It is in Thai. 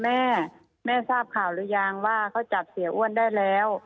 แม่แม่ทราบข่าวหรือยังว่าเขาจับเสียอ้วนได้แล้ว